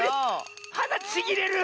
はだちぎれる！